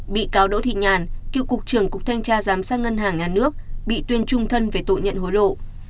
bị cáo đỗ thị nhàn cựu cục trưởng cục thanh tra giám sát ngân hàng nhà nước bị tuyên trung thân về tội nhận hối lộ